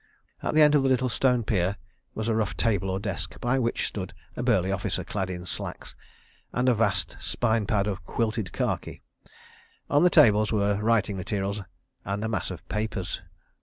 ... At the end of the little stone pier was a rough table or desk, by which stood a burly officer clad in slacks, and a vast spine pad of quilted khaki. On the tables were writing materials and a mass of papers.